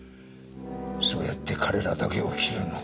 そうやって彼らだけを切るのか。